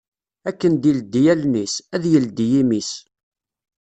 Akken d-ileddi allen-is, ad yeldi imi-s